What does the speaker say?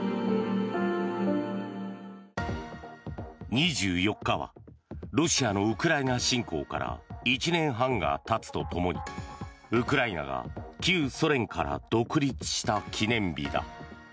２４日はロシアのウクライナ侵攻から１年半が経つと共にウクライナが旧ソ連から独立した記念日だ。